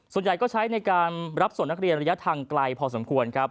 ส่วนใหญ่ก็ใช้ในการรับส่งนักเรียนระยะทางไกลพอสมควรครับ